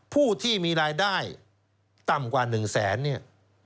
ผู้ที่มีรายได้ต่ำกว่า๑แสนเนี่ย